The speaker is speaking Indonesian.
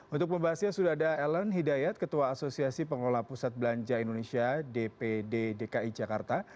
untuk pembahasnya sudah ada ellen hidayat ketua asosiasi pengelola pusat belanja indonesia dpd dki jakarta